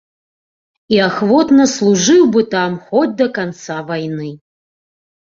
І ахвотна служыў бы там хоць да канца вайны.